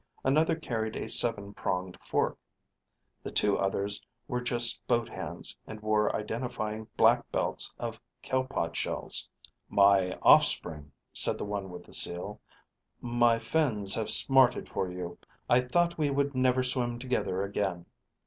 Another carried a seven pronged fork. The two others were just boat hands and wore identifying black belts of Kelpod shells. "My offspring," said the one with the seal. "My fins have smarted for you. I thought we would never swim together again."